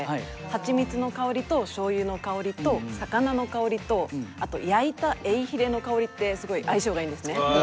はちみつの香りとしょうゆの香りと魚の香りとあと焼いたエイヒレの香りってすごい相性がいいんですね。